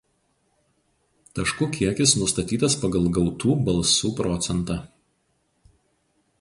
Taškų kiekis nustatytas pagal gautų balsų procentą.